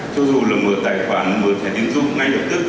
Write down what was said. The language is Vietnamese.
cho dù là mở tài khoản mở thẻ tiến dụng ngay lập tức